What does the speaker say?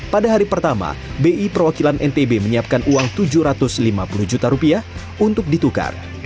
pada hari pertama bi perwakilan ntb menyiapkan uang tujuh ratus lima puluh juta rupiah untuk ditukar